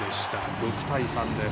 ６対３です。